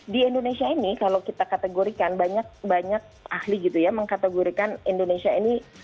di indonesia ini kalau kita kategorikan banyak banyak ahli gitu ya mengkategorikan indonesia ini